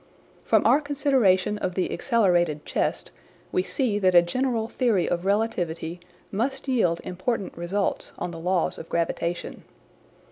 From our consideration of the accelerated chest we see that a general theory of relativity must yield important results on the laws of gravitation.